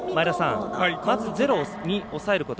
まずゼロに抑えること。